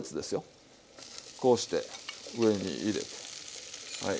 こうして上に入れてはい。